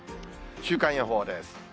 週間予報です。